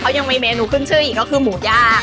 ยังมีเมนูขึ้นชื่ออีกก็คือหมูย่าง